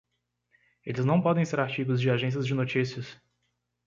Eles não podem ser artigos de agências de notícias.